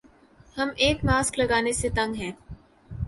ہم ایک ماسک لگانے سے تنگ ہیں